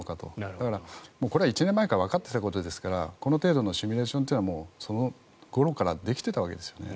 だから、１年前からわかっていたことですからこの程度のシミュレーションというのはその頃からできていたわけですよね。